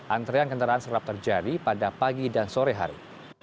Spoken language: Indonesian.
antrean kendaraan serap terjadi pada pagi dan sore hari